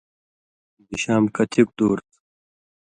بشام کتِیُوک دُور تُھو؟